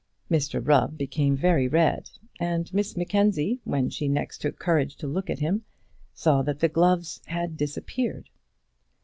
Mr Rubb became very red, and Miss Mackenzie, when she next took courage to look at him, saw that the gloves had disappeared.